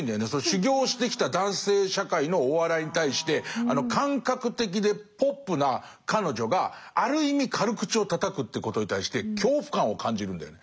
修業してきた男性社会のお笑いに対してあの感覚的でポップな彼女がある意味軽口をたたくってことに対して恐怖感を感じるんだよね。